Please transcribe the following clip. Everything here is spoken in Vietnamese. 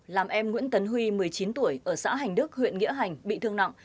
làm em nguyễn tấn huy một mươi chín tuổi ở xã hành đức huyện nghĩa hành bị thương nặng